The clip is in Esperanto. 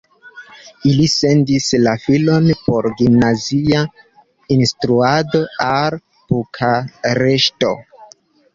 Ili sendis la filon por gimnazia instruado al Bukareŝto.